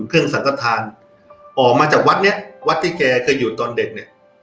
เครื่องสังกษัตริย์ออกมาจากวัดเนี้ยวัดที่แกเคยอยู่ตอนเด็กเนี้ย